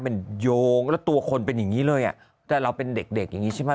มันโยงแล้วตัวคนเป็นอย่างนี้เลยอ่ะแต่เราเป็นเด็กเด็กอย่างงี้ใช่ไหม